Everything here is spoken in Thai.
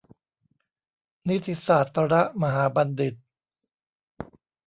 นิติศาสตรมหาบัณฑิต